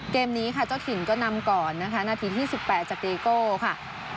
เกมนี้ค่ะเจ้าถิ่นก็นำก่อนนะคะนาทีที่๑๘จากตีโก้ค่ะ